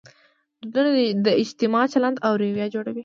دودونه د اجتماع چلند او رویه جوړوي.